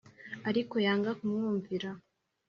Ariko yanga kumwumvira.